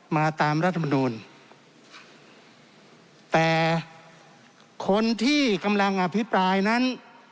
ตามรัฐมนูลแต่คนที่กำลังอภิปรายนั้น